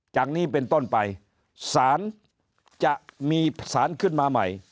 จากนี้เป็นต้นไปสารจะมีสารขึ้นมาใหม่